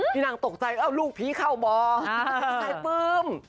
พี่นางตกใจว่าลูกผีเข้าบอใส่ปื้ม